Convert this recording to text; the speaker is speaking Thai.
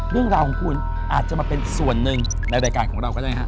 เรื่องราวของคุณอาจจะมาเป็นส่วนหนึ่งในรายการของเราก็ได้ครับ